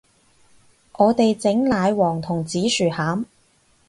我哋整奶黃同紫薯餡